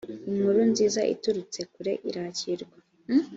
inkuru nziza iturutse kure irakirwa